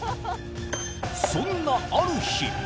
そんなある日。